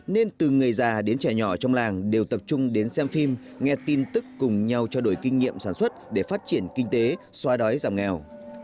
nên từ người già đến trẻ nhỏ trong làng đều tập trung đến xem phim nghe tin tức cùng nhau trao đổi kinh nghiệm sản xuất để phát triển kinh tế xoa đói giảm nghèo